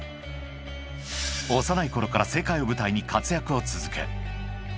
［幼いころから世界を舞台に活躍を続け］